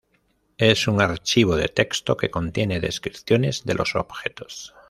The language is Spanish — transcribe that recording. Es un archivo de texto que contiene descripciones de los objetos.